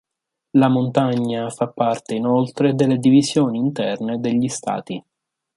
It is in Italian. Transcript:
La montagna fa parte inoltre delle divisioni interne degli stati.